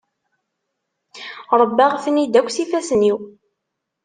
Rebbaɣ-ten-id akk s yifassen-iw.